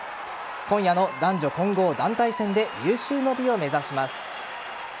今夜の男女混合団体戦で有終の美を目指します。